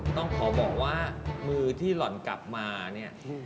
ต้องขอบอกว่ามือที่หล่อนกลับมาเนี่ย